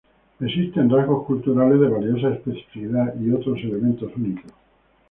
Existen rasgos culturales de valiosa especificidad y otros elementos únicos.